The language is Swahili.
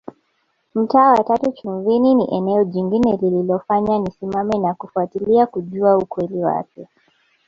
Mtaa wa tatu Chumvini ni eneo jingine lililofanya nisimame na kufatilia kujua ukweli wake